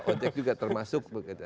ojek juga termasuk